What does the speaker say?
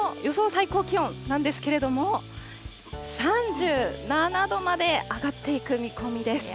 最高気温なんですけれども、３７度まで上がっていく見込みです。